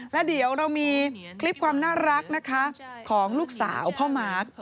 แล้วเดี๋ยวเรามีคลิปความน่ารักนะคะของลูกสาวพ่อมาร์ค